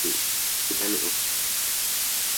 Chekane'õ.